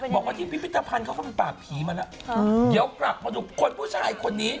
บอกว่าที่พิพิธภัณฑ์เขาก็มีปากผีมาแล้วเดี๋ยวกลับมาดูคนผู้ชายคนนี้